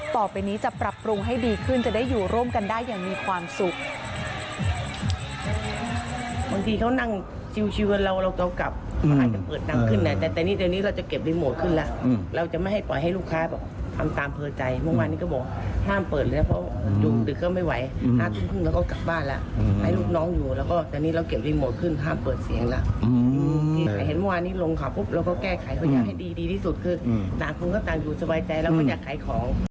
ต่อไปนี้จะปรับปรุงให้ดีขึ้นจะได้อยู่ร่วมกันได้อย่างมีความสุข